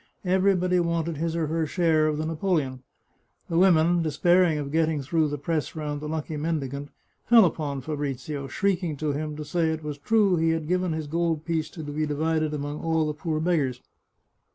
Everybody wanted his or her share of the napoleon. The women, de spairing of getting through the press round the lucky men dicant, fell upon Fabrizio, shrieking to him to say it was 218 The Chartreuse of Parma true he had given his gold piece to be divided among all the poor beggars.